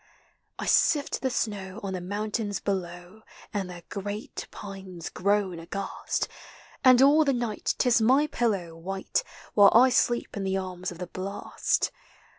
1 sift the snow on the mountains below, And their great pines groan aghast ; And all the night 't is my pillow white, While I sleep in the arms of the blast.